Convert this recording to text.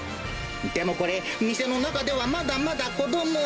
でもこれ、店の中ではまだまだ子ども。